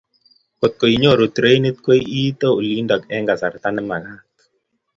kotko inyoru trnit ko iite olindok eng kasarta ne magat